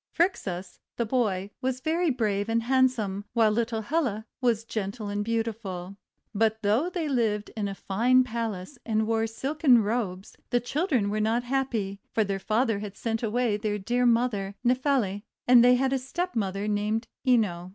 Phrixus, the boy, was very brave and handsome, while little Helle was gentle and beautiful. But though they lived in a fine palace and wore silken robes, the children were not happy; for their father had sent away their dear mother Nephele, and they had a stepmother named Ino.